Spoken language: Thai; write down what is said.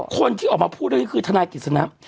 คนที่ออกมาพูดได้คือทางนายกิจสนัพ